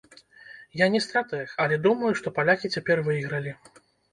Я не стратэг, але думаю, што палякі цяпер выйгралі.